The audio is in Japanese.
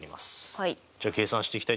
はい。